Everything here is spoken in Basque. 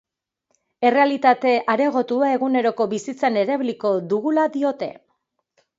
Errealitate areagotua eguneroko bizitzan erabiliko dugula diote.